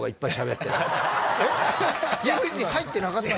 ＤＶＤ入ってなかった。